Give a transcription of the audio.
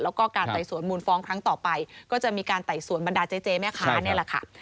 แล้วก็การไต่สวนมูลฟ้องครั้งต่อไปก็จะมีการไต่สวนบรรดาเจ๊แม่ค้านี่แหละค่ะ